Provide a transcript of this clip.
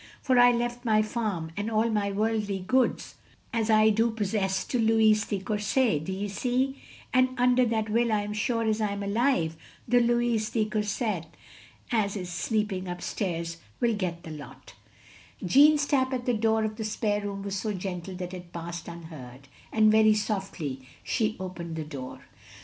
For I left my farm and all my worldly goods as I do possess to Louis de Courset, d' ye see ; and under that will, as sure as I 'm alive, the Louis de Courset as IS sleepuig up stairs will get the lot " OP GROSVENOR SQUARE 385 Jeanne's tap at the door of the spare room was so gentle that it passed tinheard; and, very softly, she opened the door.